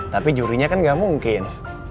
tapi jurinya kan gak mungkin